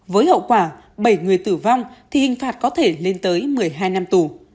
với hậu quả bảy người tử vong thì hình phạt có thể lên tới một mươi hai năm tù